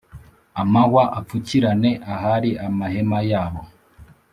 amahwa apfukirane ahari amahema yabo.